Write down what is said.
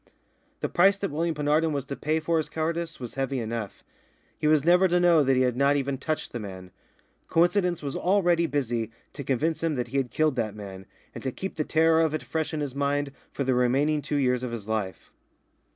The price that William Penarden was to pay for his cowardice was heavy enough. He was never to know that he had not even touched the man. Coincidence was already busy to convince him that he had killed that man, and to keep the terror of it fresh in his mind for the remaining two years of his life.